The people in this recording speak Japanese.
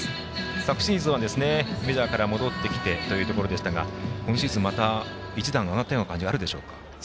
昨シーズンはメジャーから戻ってきてというところでしたが今シーズンまた一段上がった感じはあるでしょうか。